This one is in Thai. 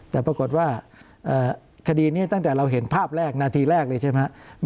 แต่ปรากฏว่าคดีนี้ตั้งแต่เราเห็นภาพแรกนาทีแรกเลยใช่ไหมครับ